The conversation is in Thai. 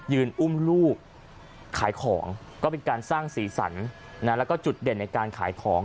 อุ้มลูกขายของก็เป็นการสร้างสีสันแล้วก็จุดเด่นในการขายของ